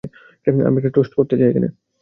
আমি একটা টোস্ট করতে চাই।